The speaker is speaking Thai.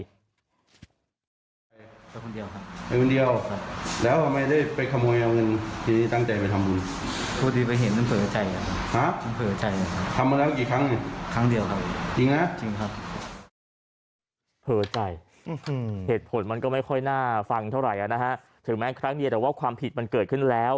คนเดียวคนเดียวแล้วทำไมได้ไปขโมยเอาเงินทีนี้ตั้งใจไปทำบุญ